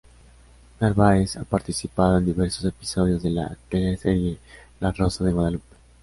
Narváez ha participado en diversos episodios de la teleserie "La rosa de Guadalupe".